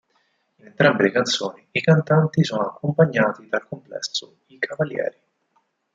In entrambe le canzoni i cantanti sono accompagnati dal complesso I Cavalieri.